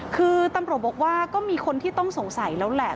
คือตำรวจบอกว่าก็มีคนที่ต้องสงสัยแล้วแหละ